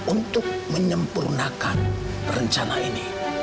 untuk menyempurnakan rencana ini